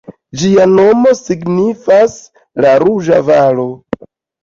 Ĝia nomo signifas "La Ruĝa Valo".